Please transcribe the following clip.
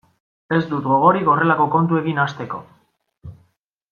Ez dut gogorik horrelako kontuekin hasteko.